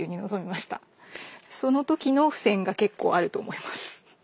その時の付箋が結構あると思います。